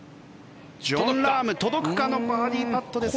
ジョン・ラーム、届くかのバーディーパットですが。